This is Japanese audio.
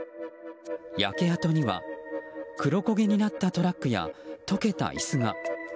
焼け跡には、黒焦げになったトラックや溶けた椅子が。